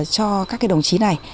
cho các đồng chí này